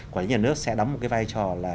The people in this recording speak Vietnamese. quản lý nhà nước sẽ đóng một cái vai trò là